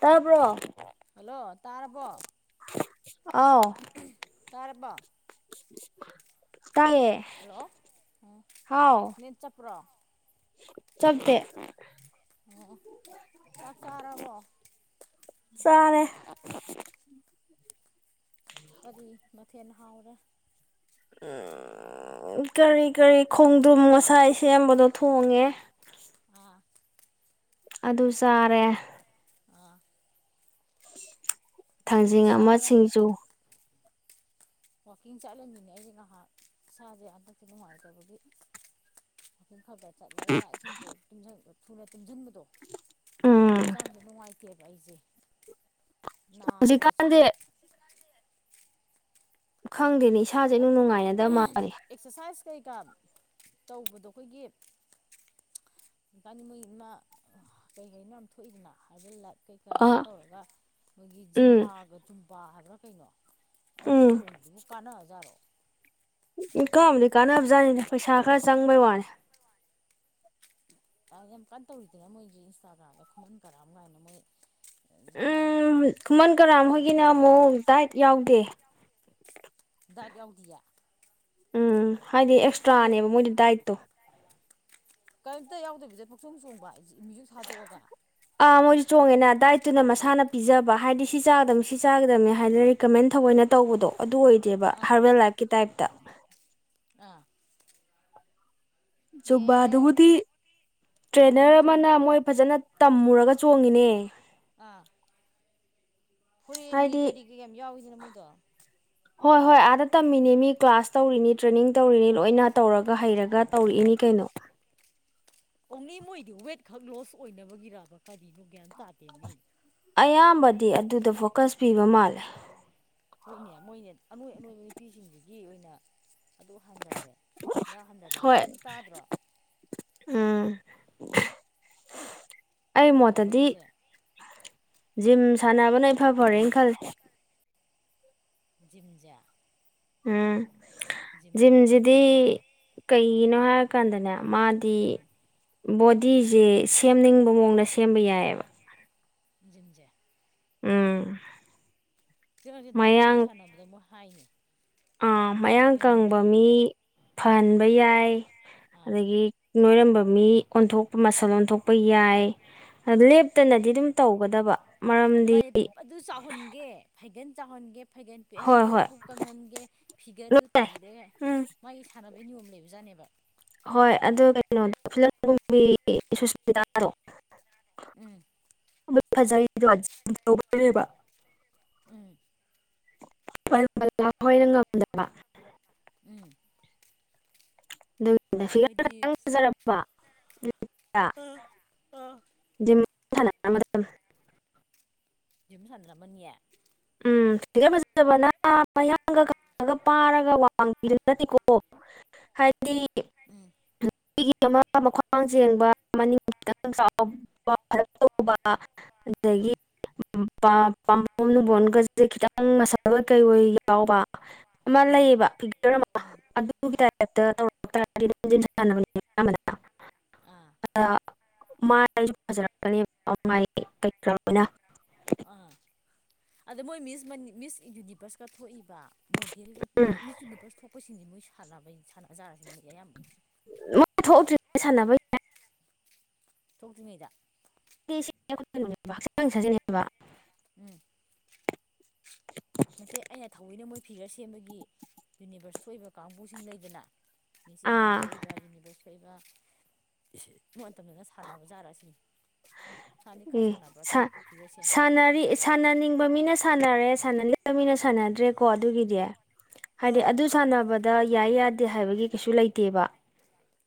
ꯇꯥꯕ꯭ꯔꯣ ꯍꯜꯂꯣ ꯇꯥꯔꯕꯣ ꯑꯥꯎ ꯇꯥꯔꯕꯣ ꯇꯥꯏꯌꯦ ꯍꯜꯂꯣ ꯑꯣ ꯍꯥꯎ ꯅꯦꯠ ꯆꯞꯄ꯭ꯔꯣ ꯆꯞꯇꯦ ꯑꯣ ꯑꯣ ꯆꯥꯛ ꯆꯥꯔꯕꯣ ꯆꯥꯔꯦ ꯀꯔꯤ ꯃꯊꯦꯟ ꯍꯥꯎꯔꯦ ꯎꯝ ꯎꯝ ꯀꯔꯤ ꯀꯔꯤ ꯈꯣꯡꯗ꯭ꯔꯨꯝ ꯉꯁꯥꯏ ꯁꯦꯝꯕꯗꯣ ꯊꯣꯡꯉꯦ ꯑꯥ ꯑꯗꯨ ꯆꯥꯔꯦ ꯑꯥ ꯑꯩꯈꯣꯏꯁꯨ ꯊꯥꯡꯖꯤꯡ ꯑꯃ ꯆꯥꯔꯦ ꯁꯤꯡꯖꯨ ꯋꯥꯛꯀꯤꯡ ꯆꯠꯂꯝꯃꯤꯅꯦ ꯑꯩꯖꯦ ꯉꯥꯍꯥꯛ ꯏꯁꯥꯖꯦ ꯍꯟꯗꯛꯇꯤ ꯅꯨꯡꯉꯥꯏꯇꯕꯒꯤ ꯋꯥꯛꯀꯤꯡ ꯈꯒ ꯆꯠꯂ ꯆꯥꯛ ꯏꯁꯤꯡꯗꯣ ꯇꯨꯝꯖ ꯊꯨꯅ ꯇꯨꯝꯖꯟꯕꯗꯣ ꯎꯝ ꯍꯛꯆꯥꯡꯖꯦ ꯅꯨꯡꯉꯥꯏ ꯇꯦꯅ ꯑꯩꯖꯦ ꯍꯧꯖꯤꯛ ꯀꯥꯟꯖꯦ ꯈꯪꯗꯦꯅꯦ ꯏꯁꯥꯖꯦ ꯏꯅꯨꯡ ꯅꯪꯕꯨ ꯅꯨꯡꯉꯥꯏꯅꯗꯕ ꯃꯥꯜꯂꯦ ꯑꯦꯛꯁꯔꯁꯥꯏꯁ ꯀꯩꯀꯥ ꯇꯧꯕꯗꯣ ꯑꯈꯣꯏꯒꯤ ꯆꯥꯅꯤꯡꯕꯩꯃꯥ ꯀꯩ ꯀꯅꯣ ꯌꯥꯝ ꯊꯣꯛꯏꯗꯅ ꯍꯥꯏꯕꯦꯜ ꯂꯥꯏꯐ ꯀꯩꯀꯥ ꯒꯥꯏ ꯑꯥ ꯇꯧꯔꯒ ꯃꯣꯏꯒꯤ ꯎꯝ ꯖꯨꯝꯕꯥꯒ ꯆꯨꯝꯕꯥ ꯍꯥꯏꯕ꯭ꯔꯥ ꯀꯩꯅꯣ ꯑꯗꯨ ꯎꯝ ꯆꯣꯡꯕꯗꯨꯕꯣ ꯀꯥꯟꯅꯕꯖꯥꯔꯣ ꯏ ꯀꯥꯕꯨꯗꯤ ꯀꯥꯟꯅꯕꯖꯥꯠꯅꯤꯗ ꯄꯩꯁꯥ ꯈꯔ ꯆꯪꯕꯩ ꯋꯥꯅꯤ ꯑꯥ ꯌꯥꯝ ꯀꯟꯅ ꯇꯧꯔꯤꯗꯅ ꯃꯣꯏꯒꯤ ꯏꯟꯁꯇꯥꯒ꯭ꯔꯥꯝꯗ ꯈꯨꯃꯟ ꯀꯔꯥꯝ ꯀꯥꯏꯅ ꯃꯣꯏ ꯖꯤꯝꯕꯥꯒꯤ ꯎꯝ ꯈꯨꯃꯟ ꯀꯔꯥꯝ ꯇ꯭ꯋꯤꯇꯔꯅꯤ ꯍꯣꯏꯒꯤꯅ ꯀꯥꯏꯅ ꯑꯃꯨꯛ ꯗꯥꯏꯠ ꯌꯥꯎꯗꯦ ꯗꯥꯏꯠ ꯌꯥꯎꯗꯤꯌꯦ ꯎꯝ ꯍꯥꯏꯗꯤ ꯁꯨꯝ ꯑꯦꯛꯁꯇ꯭ꯔꯥꯅꯦꯕ ꯃꯣꯏꯗꯤ ꯗꯥꯏꯠꯇꯣ ꯀꯔꯤꯝꯇ ꯌꯥꯎꯗꯕꯤꯗ ꯄꯨꯡꯆꯣꯡ ꯆꯣꯡꯕ ꯃ꯭ꯌꯨꯖꯤꯛ ꯊꯥꯗꯣꯛꯑꯒ ꯑꯥ ꯃꯣꯏꯖꯨ ꯆꯣꯡꯉꯦꯅ ꯗꯥꯏꯠ ꯇꯨꯅ ꯃꯁꯥꯅ ꯄꯤꯖꯕ ꯍꯥꯏꯗꯤ ꯁꯤ ꯆꯥꯒꯗꯝꯅꯤ ꯁꯤ ꯆꯥꯒꯗꯝꯅꯤ ꯍꯥꯏꯅ ꯔꯤꯀꯃꯦꯟ ꯊꯧꯑꯣꯏꯅ ꯇꯧꯕꯗꯣ ꯑꯗꯨ ꯑꯣꯏ ꯗꯦꯕ ꯑꯥ ꯍꯥꯔꯕꯦꯜ ꯂꯥꯏꯞꯀꯤ ꯇꯥꯏꯞꯇ ꯑꯥ ꯖꯨꯝꯕ ꯑꯦꯍꯦ ꯗꯨꯕꯨꯗꯤ ꯃꯣꯏ ꯇ꯭ꯔꯦꯟꯅꯔ ꯄꯨꯛꯆꯣꯡ ꯑꯃꯅ ꯃꯣꯏ ꯐꯖꯅ ꯇꯝꯃꯨꯔꯒ ꯆꯣꯡꯉꯤꯅꯦ ꯑꯥ ꯐꯣꯔꯦꯟꯒꯤ ꯍꯥꯏꯗꯤ ꯀꯔꯤꯒꯤ ꯌꯥꯝ ꯌꯥꯎꯏꯗꯅ ꯃꯣꯏꯗꯣ ꯍꯣꯏ ꯍꯣꯏ ꯑꯥꯗ ꯇꯝꯃꯤꯅꯤ ꯃꯤ ꯀ꯭ꯂꯥꯁ ꯇꯧꯔꯤꯅꯤ ꯇ꯭ꯔꯦꯅꯤꯡ ꯇꯧꯔꯤꯅꯤ ꯂꯣꯏꯅ ꯇꯧꯔꯒ ꯍꯩꯔꯒ ꯇꯧꯔꯛꯏꯅꯤ ꯀꯩꯅꯣ ꯅꯣ ꯑꯣꯡꯂꯤ ꯃꯣꯏꯗꯤ ꯋꯦꯠ ꯈꯛ ꯂꯣꯁ ꯑꯣꯏꯅꯕꯒꯤꯔꯕ ꯀꯔꯤꯅꯣ ꯒ꯭ꯌꯥꯟ ꯇꯥꯗꯦ ꯃꯤ ꯑꯌꯥꯝꯕꯗꯤ ꯑꯗꯨꯗ ꯐꯣꯀꯁ ꯄꯤꯕ ꯃꯥꯜꯂꯦ ꯍꯣꯏꯅꯦ ꯃꯣꯏꯅꯦ ꯑꯅꯣꯏ ꯑꯅꯣꯏꯕ ꯅꯨꯄꯤꯁꯤꯡꯁꯤꯒꯤ ꯑꯣꯏꯅ ꯑꯗꯨ ꯍꯟꯗꯔꯦ ꯑꯗꯥ ꯍꯟꯗꯔꯦ ꯍꯣꯏ ꯍꯥꯏꯕꯗꯨ ꯑꯗꯨꯝ ꯇꯥꯗ꯭ꯔꯣ [inaudible] ꯋꯦꯠ ꯃꯣꯠꯇꯗꯤ ꯍꯟꯗꯕꯒꯤꯁꯦ ꯖꯤꯝ ꯁꯥꯟꯅꯕꯅ ꯏꯐ ꯐꯔꯦꯅ ꯈꯜꯂꯦ ꯖꯨꯤꯝꯖꯦ ꯎꯝ ꯖꯤꯝꯖꯤꯗꯤ ꯀꯔꯤꯅꯣ ꯀꯩꯒꯤꯅꯣ ꯍꯥꯏ ꯀꯥꯟꯗꯅꯦ ꯃꯥꯗꯤ ꯕꯣꯗꯤꯁꯦ ꯁꯦꯝꯅꯤꯡꯕ ꯃꯑꯣꯡꯗ ꯁꯦꯝꯕ ꯌꯥꯏꯌꯦꯕ ꯖꯤꯝꯖꯦ ꯎꯝ ꯆ꯭ꯔꯁꯦ ꯗꯥꯄꯣꯏ ꯃꯌꯥꯡ ꯁꯥꯟꯅꯕꯗ ꯃꯣꯏ ꯍꯥꯏꯅꯦ ꯑꯥ ꯃꯌꯥꯡ ꯀꯪꯕ ꯃꯤ ꯐꯍꯟꯕ ꯌꯥꯏ ꯑꯥ ꯑꯗꯒꯤ ꯅꯣꯏꯔꯝꯕ ꯃꯤ ꯑꯣꯟꯊꯣꯛꯄ ꯃꯁꯜ ꯑꯣꯟꯊꯣꯛꯄ ꯌꯥꯏ ꯂꯦꯞꯇꯅꯗꯤ ꯑꯗꯨꯝ ꯇꯧꯒꯗꯕ ꯃꯔꯝꯗꯤ ꯑꯗꯨꯃꯥꯏꯗꯤ ꯑꯗꯨ ꯆꯥꯎꯍꯟꯒꯦ ꯐꯩꯒꯟ ꯆꯥꯎꯍꯟꯒꯦ ꯐꯩꯒꯜ ꯍꯣꯏ ꯄꯤꯛꯍꯟꯒꯦ ꯍꯣꯏ ꯄꯨꯛ ꯀꯪꯍꯟꯒꯦ ꯐꯤꯒꯔꯗꯨ ꯂꯣꯏ ꯗꯦ ꯎꯝ ꯃꯥꯒꯤ ꯁꯥꯟꯅ ꯕꯩ ꯅꯤꯌꯣꯝ ꯂꯩꯕꯖꯥꯠꯅꯦꯕ ꯍꯣꯏ ꯑꯗꯨ ꯀꯩꯅꯣꯗꯣ ꯐꯤꯂꯝ ꯀꯨꯝꯕꯤ ꯁꯨꯁꯃꯤꯥꯇꯥꯗꯣ ꯎꯝ ꯑꯗꯨ ꯐꯖꯔꯤꯗꯣ ꯖꯤꯝ ꯇꯧꯕꯩꯅꯦꯕ ꯎꯝ ꯕꯜ ꯕꯂꯥ ꯍꯣꯏꯅ ꯉꯝꯗꯕ ꯎꯝ ꯕꯔꯥ [unintelligible] ꯑꯗꯨꯝ ꯍꯣꯏꯗꯤ ꯁꯥꯟꯅꯔꯝꯃꯗꯕꯅꯦ ꯖꯤꯝ ꯁꯥꯟꯔꯝꯃꯅꯤꯌꯦ ꯎꯝ ꯐꯤꯒ꯭ꯔ ꯐꯖꯕꯅ ꯃꯌꯥꯡꯒ ꯀꯪꯉꯒ ꯄꯥꯔꯒ ꯋꯥꯡꯕꯤꯗꯣ ꯅꯠꯇꯦꯀꯣ ꯍꯥꯏ ꯎꯝ [unintelligible] ꯃꯤꯒꯤ ꯑꯃ ꯃꯈ꯭ꯋꯥꯡ ꯆꯦꯡꯕ ꯃꯅꯤꯡ ꯈꯤꯇꯪ ꯆꯥꯎꯕ ꯐꯜꯂꯞ ꯇꯧꯕ ꯑꯗꯒꯤ ꯎꯝ ꯄꯥꯝꯕꯣꯝ ꯅꯨꯡꯕꯣꯝ ꯒꯁꯦ ꯈꯤꯇꯪ ꯃꯁꯜ ꯑꯣꯏ ꯀꯩ ꯑꯣꯏ ꯌꯥꯎꯕ ꯑꯃ ꯎꯝ ꯂꯩꯌꯦꯕ ꯐꯤꯆꯔ ꯑꯃ ꯑꯗꯨꯒꯤ ꯇꯥꯏꯞ ꯑꯥ [unintelligible] [unintelligible] ꯑꯥ ꯑꯗ ꯃꯣꯏ ꯃꯤꯁ ꯃꯤꯁ ꯌꯨꯅꯤꯚꯔꯁꯀ ꯊꯣꯛꯏꯕ ꯃꯣꯗꯦꯜ ꯎꯝ ꯃꯤꯆꯨꯟꯅꯤꯕ ꯁꯣꯄꯁꯤꯡꯁꯤꯦ ꯃꯣꯏ ꯁꯥꯟꯅꯕ ꯁꯥꯟꯖꯔꯁꯤ ꯑꯌꯥꯝ ꯃꯣꯏ ꯊꯣꯛꯎꯇ꯭ꯔꯤ ꯁꯥꯟꯅꯕ ꯌꯥꯏ ꯊꯣꯛꯇ꯭ꯔꯤꯉꯩꯗꯥ [unintelligible] ꯎꯝ ꯅꯠꯇꯦ ꯑꯩꯅ ꯊꯧꯑꯣꯏꯅ ꯃꯣꯏ ꯐꯤꯒꯔ ꯁꯦꯝꯕꯒꯤ ꯌꯨꯅꯤꯚꯔꯁ ꯊꯣꯛꯏꯕ ꯀꯥꯡꯕꯨꯁꯤꯡ ꯂꯩꯗꯅ ꯃꯤꯁ ꯏꯟꯗꯤꯌꯥ ꯑꯥ ꯊꯣꯛꯏꯕ ꯌꯨꯅꯤꯕꯁ ꯊꯣꯛꯏꯕ ꯑꯗꯨ ꯃꯇꯝꯗꯨꯅ ꯁꯥꯟꯅꯕ ꯖꯥꯠꯔꯁꯤꯅꯤ ꯎ ꯁꯥ ꯐꯤꯒꯔꯁꯦ ꯁꯥꯅꯔꯤ ꯁꯥꯟꯅꯅꯤꯡꯕ ꯃꯤꯅ ꯁꯥꯟꯅꯔꯦ ꯁꯥꯅꯅꯤꯡꯗꯕ ꯃꯤꯅ ꯁꯥꯅꯗ꯭ꯔꯦꯀꯣ ꯑꯗꯨꯒꯤꯗꯤ ꯍꯥꯏꯗꯤ ꯑꯗꯨ ꯁꯥꯟꯅꯕꯗ ꯌꯥꯏ ꯌꯥꯗꯦ ꯌꯥꯗꯦ ꯍꯥꯏꯕꯒꯤ ꯀꯩꯁꯨ ꯂꯩꯇꯦꯕ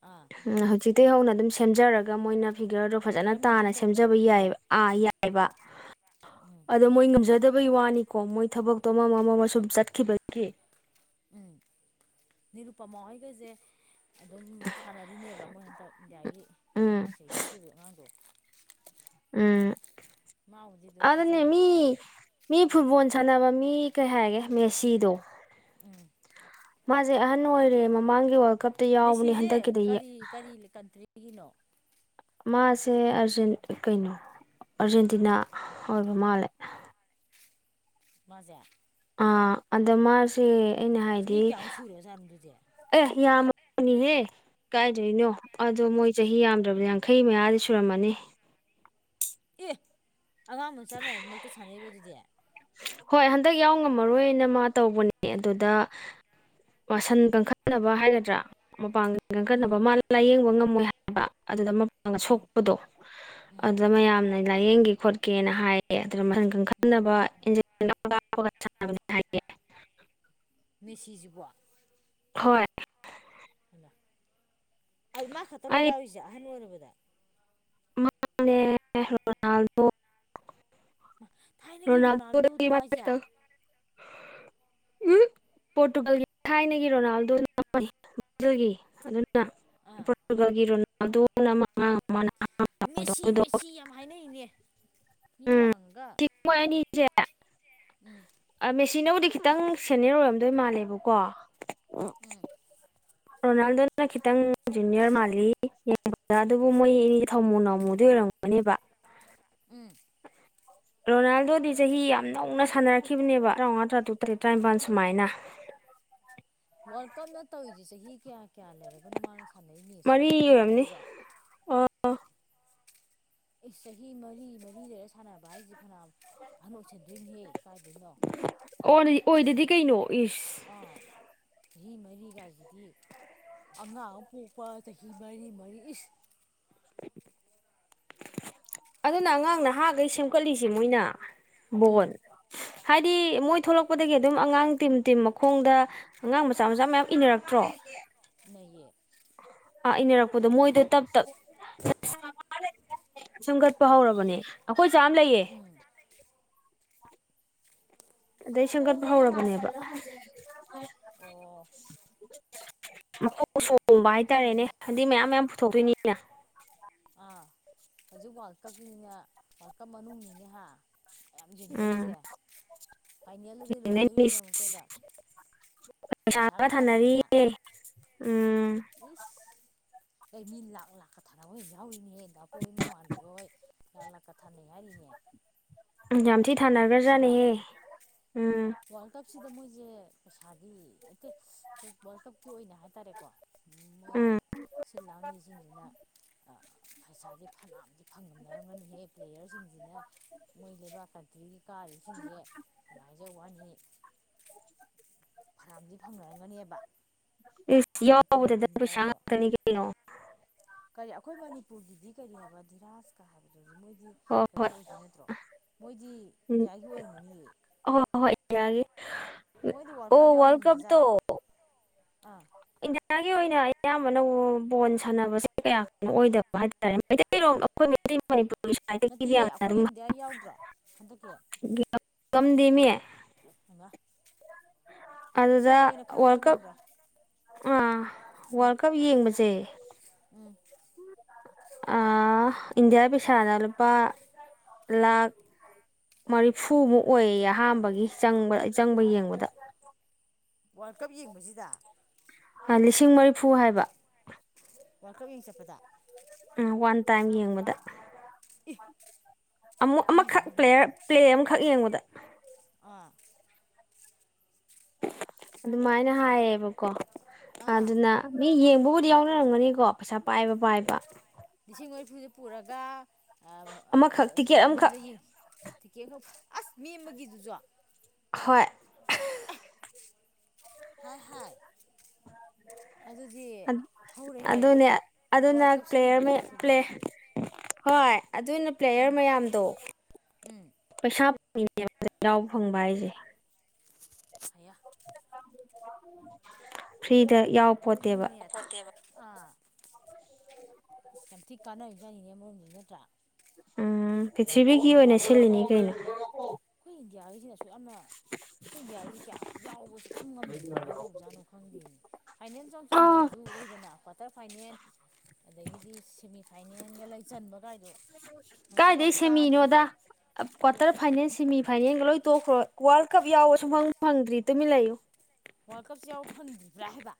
ꯑꯥ ꯍꯧꯖꯤꯛꯇ ꯍꯧꯅ ꯑꯗꯨꯝ ꯁꯦꯝꯖꯔꯒ ꯃꯣꯏꯅ ꯐꯤꯒꯔꯗꯣ ꯐꯖꯅ ꯐꯤꯒꯔ ꯇꯥꯅ ꯃꯦꯟꯇꯦꯟ ꯇꯧꯕꯗꯣ ꯁꯦꯝꯖꯕ ꯌꯥꯏ ꯑꯥ ꯌꯥꯏꯕ ꯎꯝ ꯑꯗꯣ ꯃꯣꯏ ꯉꯝꯖꯗꯕꯩ ꯋꯥꯅꯤꯀꯣ ꯃꯣꯏ ꯊꯕꯛꯇꯣ ꯑꯃꯃ ꯑꯃ ꯁꯨꯝ ꯆꯠꯈꯤꯕꯒꯤ ꯎꯝ ꯅꯤꯔꯨꯄꯃ ꯑꯣꯏꯒꯁꯦ ꯑꯗꯨꯝ ꯁꯥꯟꯅꯔꯤꯅꯦꯕ ꯃꯨꯛ ꯍꯟꯗꯛ ꯏꯟꯗꯤꯌꯥꯒꯤ ꯎꯝ ꯃꯃꯥꯡꯒꯤ ꯊꯣꯛꯈꯤꯕꯒꯤ ꯑꯉꯥꯡꯗꯣ ꯎꯝ ꯃꯥꯕꯨꯗꯤ ꯑꯗꯨꯝ ꯑꯗꯨꯅꯦ ꯐꯖꯩꯌꯦꯕ ꯃꯤ ꯃꯤ ꯐꯨꯠꯕꯣꯜ ꯁꯥꯟꯅꯕ ꯃꯤ ꯀꯩ ꯍꯥꯏꯔꯒꯦ ꯃꯦꯁꯤꯗꯣ ꯎꯝ ꯃꯥꯁꯦ ꯑꯍꯅ ꯑꯣꯏꯔꯦ ꯃꯥ ꯃꯥꯡꯒꯤ ꯋꯥ ꯃꯦꯁꯤꯁꯦ ꯀꯔꯤ ꯀꯔꯤ ꯀꯟꯇ꯭ꯔꯤꯒꯤꯅꯣ ꯃꯥꯁꯦ ꯑꯔꯖꯦꯟ ꯀꯩꯅꯣ ꯑꯔꯖꯦꯟꯇꯤꯅꯥ ꯑꯣꯏꯕ ꯃꯥꯜꯂꯦ ꯃꯥꯖꯦ ꯑ ꯑꯗ ꯃꯥꯁꯦ ꯑꯩꯅ ꯍꯥꯏꯗꯤ ꯆꯍꯤ ꯀꯌꯥꯃꯨꯛ ꯁꯨꯔꯖꯥꯠꯅꯣ ꯑꯗꯨꯗꯤ ꯑꯦ ꯌꯥꯝ ꯅꯤꯍꯦ ꯀꯥꯏꯗꯣꯏꯅꯣ ꯑꯗꯣ ꯃꯣꯏ ꯆꯍꯤ ꯌꯥꯝꯗ꯭ꯔꯕꯗ ꯌꯥꯡꯈꯩ ꯃꯌꯥꯗꯤ ꯁꯨꯔꯝꯃꯅꯤ ꯑꯦ ꯑꯉꯥꯡ ꯃꯆꯥ ꯃꯌꯥ ꯃꯔꯛꯇ ꯁꯥꯟꯅꯔꯤꯕꯗꯨꯗꯤ ꯍꯣꯏ ꯍꯟꯗꯛ ꯌꯥꯎ ꯉꯝꯃꯔꯣꯏꯅ ꯃꯥ ꯇꯧꯕꯅꯦ ꯑꯗꯨꯗ ꯃꯁꯟ ꯀꯟꯈꯠꯅꯕ ꯍꯥꯏꯒꯗ꯭ꯔꯥ ꯃꯄꯥꯟꯒꯟ ꯀꯟꯈꯠꯅꯕ ꯎꯝ ꯃꯥꯗꯣ ꯂꯥꯏꯌꯦꯡꯕ ꯉꯝ ꯉꯝꯃꯣꯏ ꯍꯥꯏꯕ ꯑꯗꯨꯗ ꯃꯄꯥꯡꯒꯟ ꯁꯣꯛꯄꯗꯣ ꯎꯝ ꯑꯗꯨꯗ ꯃꯌꯥꯝꯅ ꯂꯥꯏꯌꯦꯡꯒꯤ ꯈꯣꯠꯀꯦꯅ ꯍꯥꯏꯌꯦ ꯑꯗꯨꯗ ꯃꯁꯟ ꯎꯝ ꯈꯟꯈꯠꯅꯕ ꯏꯅꯖꯤ [unintelligible] ꯃꯦꯁꯤꯁꯤꯕꯣ ꯍꯣꯏ ꯑꯗꯨ ꯃꯥ ꯈꯛꯇꯔꯣ ꯑꯩ ꯌꯥꯎꯔꯤꯁꯦ ꯑꯍꯜ ꯑꯣꯏꯔꯕꯗ [unintelligible] ꯊꯥꯏꯅꯒꯤ ꯔꯣꯅꯥꯜꯗꯣꯗ ꯔꯣꯅꯥꯜꯗꯣꯗꯨꯔꯣ ꯍꯥꯏꯁꯦ [unintelligible] ꯎꯝ ꯄꯣꯔꯇꯨꯒꯜꯒꯤ ꯊꯥꯏꯅꯒꯤ ꯔꯣꯅꯥꯜꯗꯣ ꯑꯃꯅꯤ ꯑꯥ [unintelligible] ꯑꯗꯨꯅ ꯃꯥꯅ ꯑꯃ ꯅꯍꯥꯟꯋꯥꯏꯗꯣ ꯃꯦꯁꯤ ꯑꯗꯨꯗꯣ ꯃꯦꯁꯤ ꯌꯥꯝ ꯍꯥꯏꯅꯩꯅꯦ ꯃꯤ ꯎꯝ ꯋꯥꯡꯒ ꯁꯤ ꯃꯣꯏ ꯑꯅꯤꯁꯦ ꯎꯝ ꯏ ꯅꯧꯗꯤ ꯈꯤꯇꯪ ꯁꯦꯅꯤꯌꯔ ꯑꯣꯏꯔꯝꯗꯣꯏ ꯃꯥꯜꯂꯦꯕꯀꯣ ꯔꯣꯅꯥꯜꯗꯣꯗꯅ ꯈꯤꯇꯪ ꯖꯨꯅꯤꯌꯔ ꯃꯥꯜꯂꯤ ꯑꯗꯨꯕꯨ ꯃꯣꯏ ꯊꯝꯃꯨ ꯅꯝꯃꯨꯗꯣꯏ ꯑꯣꯔꯝꯒꯅꯦꯕ ꯎꯝ ꯔꯣꯅꯥꯜꯗꯣꯗꯤ ꯆꯍꯤ ꯌꯥꯝ ꯅꯧꯅ ꯁꯥꯟꯅꯔꯛꯈꯤꯕꯅꯦꯕ ꯇꯔꯥꯃꯉꯥ ꯇꯔꯥ ꯇꯨꯛ ꯇꯔꯦꯠ ꯇꯔꯥꯅꯤꯄꯥꯜ ꯁꯨꯃꯥꯏꯅ [inaudible] ꯋꯥꯔꯜ ꯀꯞꯅ ꯇꯧꯔꯤꯁꯦ ꯆꯍꯤ ꯀꯌꯥ ꯀꯌꯥ ꯂꯩꯔꯒꯅꯣ ꯃꯥꯅ ꯁꯥꯟꯅꯩꯅꯦ ꯁꯤꯕꯨ ꯃꯍꯤ ꯃꯍꯩꯔꯣ ꯑꯣ ꯑꯩꯁ ꯆꯍꯤ ꯃꯔꯤ ꯃꯔꯤ ꯂꯩꯔ ꯁꯥꯟꯅꯕ ꯍꯥꯏꯁꯦ ꯐꯅꯌꯥꯝ ꯑꯍꯟ ꯑꯣꯏꯁꯟꯗꯣꯏꯅꯤꯍꯦ ꯀꯥꯏꯗꯣꯏꯅꯣ ꯑꯣꯗꯤ ꯑꯣꯏꯗꯗꯤ ꯀꯩꯅꯣ ꯏꯁꯁ ꯑꯥ ꯆꯍꯤ ꯃꯔꯤꯒꯥꯏꯁꯤꯗꯤ ꯑꯉꯥꯡ ꯄꯣꯛꯄ ꯆꯍꯤ ꯃꯔꯤ ꯃꯔꯤ ꯑꯗꯨꯅ ꯑꯉꯥꯡ ꯅꯍꯥꯟꯈꯩ ꯁꯦꯝꯒꯠꯂꯤꯁꯦ ꯃꯣꯏꯅ ꯕꯣꯟ ꯎꯝ ꯍꯥꯏꯗꯤ ꯃꯣꯏ ꯊꯣꯛꯂꯛꯄꯗꯒꯤ ꯑꯗꯨꯝ ꯑꯉꯥꯡ ꯇꯤꯝ ꯇꯤꯝ ꯃꯈꯣꯡꯗ ꯑꯉꯥꯡ ꯃꯆꯥ ꯃꯆꯥ ꯃꯌꯥꯝ ꯏꯅꯔꯛꯇ꯭ꯔꯣ ꯏꯟꯅꯩꯌꯦ ꯑꯥ ꯏꯟꯅꯔꯛꯄꯗꯣ ꯃꯣꯏꯗ ꯇꯞ ꯇꯞ ꯁꯦꯝꯒꯠꯄ ꯍꯧꯔꯕꯅꯦ ꯑꯩꯈꯣꯏ ꯆꯥ ꯑꯃ ꯂꯩꯌꯦ ꯎꯝ ꯑꯗꯩ ꯁꯦꯝꯒꯠꯄ ꯍꯧꯔꯕꯅꯦꯕ ꯑꯣ ꯃꯈꯀꯣꯡ ꯁꯣꯡꯕ ꯍꯥꯏꯇꯥꯔꯦꯅꯦ ꯈꯪꯗꯦꯅꯦ ꯑꯗꯨ ꯃꯌꯥꯝ ꯃꯌꯥꯝ ꯄꯨꯊꯣꯛꯇꯣꯏꯅꯤꯅ ꯑꯥ ꯍꯧꯖꯤꯛ ꯋꯥꯔꯜ ꯀꯞꯀꯤꯅꯤꯅꯦ ꯋꯥꯔꯜ ꯀꯞ ꯃꯅꯨꯡꯅꯤꯅꯦ ꯍꯥ ꯌꯥꯝꯌꯥꯝ ꯎꯝ ꯌꯦꯡꯅꯔꯤꯁꯦ ꯐꯥꯏꯅꯦꯜ ꯑꯗꯨꯗꯤ ꯌꯦꯡꯗꯣꯏꯅꯤ ꯂꯣꯏꯗꯣꯔꯤꯅꯦ ꯑꯃꯨꯛꯇꯣꯏꯕ ꯄꯩꯁꯥꯒ ꯊꯅꯔꯤ ꯏꯁ ꯑꯩ ꯃꯤ ꯂꯥꯛ ꯂꯥꯛꯀ ꯊꯥꯅꯕ ꯍꯣꯏ ꯌꯥꯎꯔꯤꯅꯦꯍꯦ ꯀꯥ ꯕꯣꯏ ꯍꯣꯏ ꯃꯃꯥꯟꯅꯕ ꯍꯣꯏ ꯂꯥꯛ ꯂꯥꯛꯀ ꯊꯥꯅꯩ ꯍꯥꯏꯔꯤꯅꯦ [inaudible] ꯎꯝ ꯌꯥꯝ ꯊꯤ ꯋꯥꯔꯜ ꯊꯥꯅꯒ꯭ꯔ ꯀꯞꯁꯤꯗ ꯖꯥꯠꯅꯤꯍꯦ ꯎꯝ ꯁꯤꯗ ꯃꯣꯏꯁꯦ ꯄꯩꯁꯥꯒꯤ ꯑꯇꯩ ꯋꯥꯔꯜ ꯀꯞꯀꯤ ꯑꯣꯏꯅ ꯍꯥꯏꯇꯥꯔꯦꯀꯣ ꯎꯝ ꯁꯤꯜꯂꯥꯡ ꯉꯤꯁꯤꯖꯤꯁꯤꯅ ꯄꯩꯁꯥꯁꯦ ꯐꯅꯥꯝꯁ ꯐꯪꯉꯝꯅꯔꯝꯒꯅꯤꯍꯦ ꯄ꯭ꯂꯦꯌꯔꯁꯤꯡꯁꯤꯅ ꯃꯣꯏ ꯂꯩꯕꯥꯛꯀ ꯑꯗꯒꯤ ꯀꯥꯔꯤꯁꯤꯡꯁꯦ ꯀꯃꯥꯏꯖ ꯋꯥꯅꯤ ꯐꯅꯌꯥꯝꯗꯤ ꯐꯪꯅꯔꯝꯒꯅꯦꯕ ꯑꯦ ꯃꯣꯏ ꯇꯤꯝ ꯌꯥꯎꯕꯗ ꯇꯤꯝ ꯄꯩꯁꯥ ꯌꯥꯎꯏꯗꯣ ꯉꯥꯛꯇꯅꯤ ꯀꯩꯅꯣ ꯀꯔꯤ ꯑꯩꯈꯣꯏ ꯃꯅꯤꯄꯨꯔꯒꯤꯗꯤ ꯀꯔꯤ ꯍꯥꯏꯕ ꯙꯤꯔꯥꯖꯀ ꯍꯥꯏꯕꯗꯨ ꯍꯧꯛ ꯃꯣꯏꯗꯤ ꯍꯣꯏ ꯀꯩꯅꯣ ꯍꯣꯏ ꯑꯣꯏꯗꯣꯏ ꯅꯠꯇ꯭ꯔꯣ ꯃꯣꯏꯗꯤ ꯎꯝ ꯏꯟꯗꯤꯌꯥꯒꯤ ꯑꯣꯏꯔꯝꯒꯅꯤꯌꯦ ꯍꯣꯏ ꯍꯣꯏ ꯏꯟꯗꯤꯌꯥꯒꯤ ꯃꯣꯏꯗꯤ ꯀꯞ ꯑꯣ ꯌꯥꯎ ꯋꯥꯔꯜ ꯀꯞꯇꯣ ꯉꯝꯗꯖꯥꯠꯔꯣ ꯑꯥ ꯏꯗꯤꯌꯥ ꯑꯩꯇꯩ ꯑꯣꯏꯅ ꯑꯌꯥꯝꯕꯅ ꯕꯣꯟ ꯁꯥꯟꯅꯕꯁꯦ ꯀꯌꯥ ꯀꯅꯣ ꯑꯣꯏꯗꯕ ꯍꯥꯏꯇꯥꯔꯦ ꯃꯩꯇꯩꯔꯣꯝ ꯑꯩꯈꯣꯏ ꯃꯩꯇꯩ ꯃꯅꯤꯄꯨꯔ ꯅꯠꯇꯦꯍꯦ ꯑꯩꯈꯣꯏ ꯏꯟꯗꯤꯌꯥ ꯌꯥꯎꯗ꯭ꯔꯣ ꯍꯟꯗꯛꯀꯤ ꯉꯝꯗꯦꯃꯤ ꯍꯩꯃꯥ ꯑꯗꯨꯗ ꯏꯁꯥꯒꯤ ꯑꯣꯏꯅ ꯈꯟꯕꯁꯨ ꯋꯥꯔꯜ ꯀꯞ ꯉꯝꯗ꯭ꯔꯦ ꯑꯥ ꯎꯝ ꯋꯥꯔꯜꯗ ꯀꯞ ꯌꯦꯡꯕꯁꯦ ꯎꯝ ꯑꯥ ꯏꯟꯗꯤꯌꯥ ꯄꯩꯁꯥꯅ ꯂꯨꯄꯥ ꯂꯥꯈ ꯃꯔꯤꯐꯨꯃꯨꯛ ꯑꯣꯏꯌꯦꯌꯦ ꯑꯍꯥꯥꯟꯕꯒꯤ ꯆꯪꯕ ꯆꯪꯕ ꯌꯦꯡꯕꯗ ꯋꯥꯔꯜ ꯀꯞ ꯌꯦꯡꯕꯁꯤꯗ ꯂꯤꯁꯤꯡ ꯃꯔꯤꯐꯨ ꯍꯥꯏꯕ ꯋꯥꯔꯜ ꯀꯞ ꯌꯦꯡ ꯆꯠꯄꯗ ꯎꯝ ꯋꯥꯟ ꯇꯥꯏꯝ ꯌꯦꯡꯕꯗ ꯏ ꯑꯃꯨꯛ ꯑꯃꯈꯛ꯭ꯂꯦ ꯄ꯭ꯂꯦ ꯑꯃꯈꯛ ꯌꯦꯡꯕꯗ ꯑꯥ ꯑꯗꯨꯃꯥꯏꯅ ꯍꯥꯏꯌꯦꯕꯀꯣ ꯑꯥ ꯑꯗꯨꯅ ꯃꯤꯡ ꯃꯍꯨꯗꯤ ꯌꯥꯎꯅꯔꯝꯒꯅꯤꯀꯣ ꯄꯩꯁꯥ ꯄꯥꯏꯕ ꯄꯥꯏꯕ ꯂꯤꯁꯤꯡ ꯃꯔꯤꯐꯨꯗ ꯄꯨꯔꯒ ꯑꯃꯈꯛ ꯇꯤꯀꯦꯠ ꯑꯃꯈꯛ ꯁꯥꯟꯅꯝꯗ ꯌꯦꯡꯉ ꯇꯤꯀꯦꯠ ꯑꯁ ꯃꯤ ꯑꯃꯒꯤ ꯑꯗꯨꯖꯨ ꯍꯣꯏ ꯍꯥꯏ ꯍꯥꯏ ꯑꯗꯨꯗꯤ ꯍꯧꯔꯦꯍꯦ ꯑꯗꯨꯅꯦ ꯑꯗꯨꯅ ꯋꯥꯔꯜ ꯀꯞ ꯁꯤꯜꯂꯤꯕ ꯄ꯭ꯂꯦꯔ ꯂꯩꯕꯥꯛꯇꯨꯗꯤ ꯄ꯭ꯂꯦꯔ ꯍꯣꯏ ꯑꯗꯨꯅ ꯄ꯭ꯂꯦꯌꯔ ꯃꯌꯥꯝꯗꯣ ꯎꯝ ꯄꯩꯁꯥ ꯃꯤꯡꯖꯦꯜꯅꯦ ꯌꯥꯥꯎꯕ ꯐꯪꯕ ꯍꯥꯏꯖꯦ ꯍꯌꯥ ꯐ꯭ꯔꯤꯗ ꯌꯥꯎ ꯄꯣꯠꯇꯦꯕ ꯑꯗꯨꯗꯤꯅꯦ ꯑꯥ ꯌꯥꯝ ꯊꯤꯛ ꯀꯥꯟꯅꯔꯤꯖꯥꯅꯤꯅꯦ ꯃꯣꯏꯒꯤꯖꯦ ꯅꯠꯇ꯭ꯔꯥ ꯎꯝ ꯄꯤꯔꯊꯤꯕꯤꯒꯤ ꯑꯗꯣ ꯑꯣꯏꯅ ꯁꯤꯜꯂꯤꯅꯤ ꯀꯩꯅꯣ ꯏꯟꯗꯤꯌꯥꯒꯤꯖꯤꯅ ꯑꯁꯨꯛ ꯌꯥꯝꯅ ꯑꯈꯣꯏ ꯏꯟꯗꯤꯌꯥꯒꯤ ꯀꯌꯥ ꯌꯥꯎꯕ ꯁꯨꯉꯝ ꯉꯝꯗꯦ ꯀꯃꯥꯏꯅ ꯇꯧꯖꯥꯠꯅꯣ ꯈꯪꯗꯦꯃꯤ ꯐꯥꯏꯅꯦꯟ ꯆꯪ ꯑ ꯆꯟꯗ꯭ꯔꯖꯨ ꯂꯩꯗꯅꯥ ꯀ꯭ꯋꯥꯇꯔ ꯐꯥꯏꯅꯦꯟ ꯑꯗꯒꯤꯗꯤ ꯁꯦꯃꯤ ꯐꯥꯏꯅꯦꯟꯒ ꯂꯩ ꯆꯟꯕ ꯀꯥꯏꯗꯣ ꯉꯁꯤꯐꯥꯎ ꯀꯥꯏꯗꯩ ꯇꯥꯗ꯭ꯔꯤ ꯁꯦꯝꯃꯤꯅꯣꯗꯥ ꯍꯥꯏꯕ ꯀ꯭ꯋꯥꯇꯔ ꯐꯥꯏꯅꯦꯟ ꯁꯤꯃꯤꯐꯥꯏꯅꯦꯟꯒ ꯂꯣꯏ ꯇꯣꯛꯈ꯭ꯔꯣ ꯋꯥꯔꯜ ꯀꯞ ꯌꯥꯎꯕ ꯁꯨꯡ ꯐꯪ ꯐꯪꯗ꯭ꯔꯤ ꯇꯨꯃꯤꯟ ꯂꯩꯌꯨ ꯋꯥꯔꯜ ꯀꯞꯁꯦ ꯌꯥꯎꯕ ꯐꯪꯒꯤꯗ꯭ꯔꯥ ꯍꯥꯏꯕ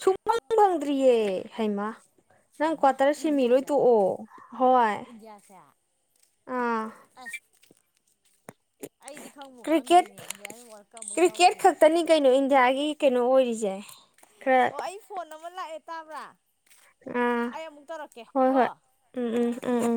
ꯁꯨꯡꯐꯪ ꯐꯪꯗ꯭ꯔꯤꯌꯦ ꯍꯩꯃꯥ ꯅꯪ ꯑꯃ ꯀ꯭ꯋꯥꯇꯔ ꯁꯦꯃꯤ ꯂꯣꯏ ꯏꯟꯗꯤꯌꯥꯁꯦ ꯇꯣꯛꯑꯣ ꯍꯣꯏ ꯏꯟꯗꯤꯌꯥꯁꯦ ꯑꯥ ꯑꯁ ꯑꯩꯗꯤ ꯈꯪꯕꯨ ꯀ꯭ꯔꯤꯀꯦꯠ ꯈꯪꯗꯦꯅꯦ ꯏꯟꯗꯤꯌꯥꯗ ꯋꯥꯔꯜ ꯀꯞ ꯑꯃꯨꯛ ꯀ꯭ꯔꯤꯀꯦꯠ ꯌꯥꯎꯗ꯭ꯔꯤꯁꯦ ꯈꯛꯇꯅꯤ ꯀꯩꯅꯣ ꯏꯟꯗꯤꯌꯥꯒꯤ ꯀꯩꯅꯣ ꯑꯣꯏꯔꯤꯖꯦ ꯑꯣ ꯑꯩ ꯐꯣꯟ ꯑꯃ ꯂꯥꯛꯑꯦ ꯇꯥꯕ꯭ꯔꯥ ꯑꯥ ꯑꯩ ꯑꯃꯨꯛ ꯇꯧꯔꯛꯀꯦ ꯍꯣꯏ ꯀꯣ ꯍꯣꯏ ꯎꯝ ꯑꯥ ꯎꯝ ꯑꯥ ꯎꯝ ꯎꯝ